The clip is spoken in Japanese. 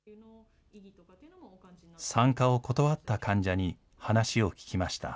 参加を断った患者に話を聞きました。